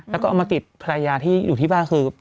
แล้วก็เอามาติดภรรยาที่อยู่ที่บ้านคือ